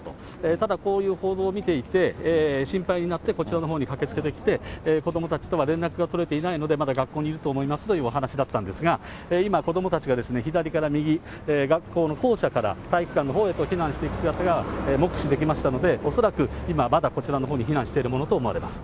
ただ、こういう報道を見ていて、心配になって、こちらのほうに駆けつけてきて、子どもたちとは連絡が取れていないので、まだ学校にいると思いますというお話だったんですが、今、子どもたちが左から右、学校の校舎から体育館のほうへと避難していく姿が目視できましたので、恐らく今、まだこちらのほうに避難しているものと思われます。